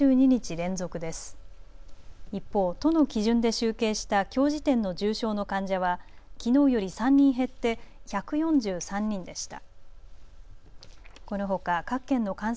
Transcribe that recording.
一方、都の基準で集計したきょう時点の重症の患者はきのうより３人減って１４３人でした。